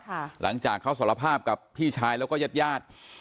หลังจากเขาสารภาพกับพี่ชายแล้วก็ญาติญาติ